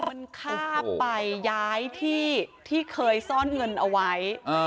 มันฆ่าไปย้ายที่เคยซ่อนเงินเอาไว้